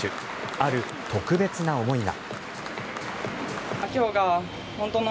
ある特別な思いが。